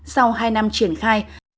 sau hai năm triển khai